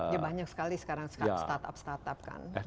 ya banyak sekali sekarang startup startup kan